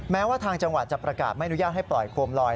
แม้ว่าทางจังหวัดจะประกาศไม่อนุญาตให้ปล่อยโคมลอย